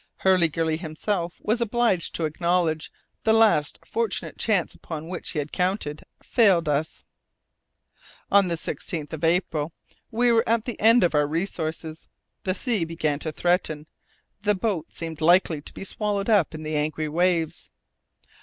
Hurliguerly himself was obliged to acknowledge the last fortunate chance upon which he had counted had failed us. On the 6th of April we were at the end of our resources; the sea began to threaten, the boat seemed likely to be swallowed up in the angry waves.